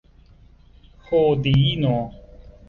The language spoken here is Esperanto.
Ho, diino!